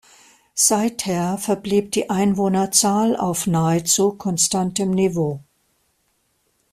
Seither verblieb die Einwohnerzahl auf nahezu konstantem Niveau.